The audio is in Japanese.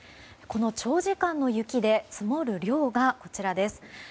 この長時間の雪で積もる量が、こちらです。